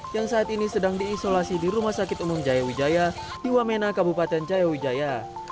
yang saat ini sedang diisolasi di rumah sakit umum jaya wijaya di wamena kabupaten jayawijaya